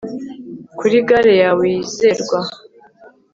kuri galle yawe yizerwa